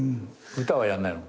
歌はやんないの？